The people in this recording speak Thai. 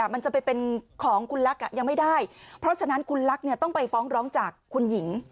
มันจะไปเป็นของคุณลักษณ์ยังไม่ได้เพราะฉะนั้นคุณลักษณ์ต้องไปฟ้องร้องจากคุณหญิง